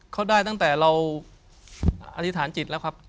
เขาได้ตั้งแต่เราอธิษฐานจิตแล้วครับ